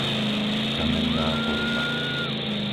Kamenná Poruba